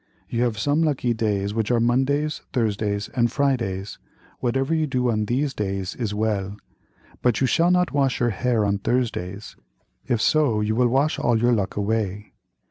You have some lucky days which are Mondays, Thursdays, and Fridays, whatever you do on these days is well, but you shall not wash your hair on Thursdays, if so, you will wash all your luck away.